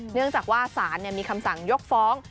เนื่องจากว่าศาลมีคำสั่งยกฟ้อง